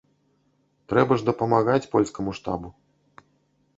Трэба ж дапамагаць польскаму штабу.